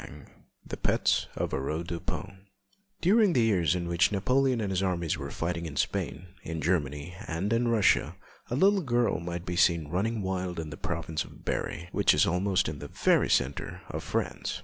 _] THE PETS OF AURORE DUPIN During the years in which Napoleon and his armies were fighting in Spain, in Germany, and in Russia, a little girl might be seen running wild in the province of Berry, which is almost in the very centre of France.